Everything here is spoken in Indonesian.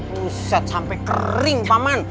buset sampe kering pak man